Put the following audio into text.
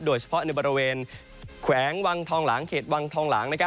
โดยเฉพาะในบริเวณแขวงวังทองหลางเขตวังทองหลาง